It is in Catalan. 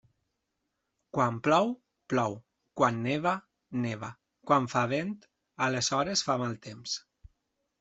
Quan plou, plou; quan neva, neva; quan fa vent, aleshores fa mal temps.